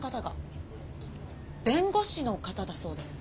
弁護士の方だそうです。